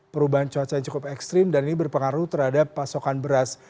perubahan cuaca yang cukup ekstrim dan ini berpengaruh terhadap pasokan beras